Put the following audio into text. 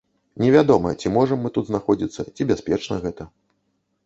Невядома, ці можам мы тут знаходзіцца, ці бяспечна гэта.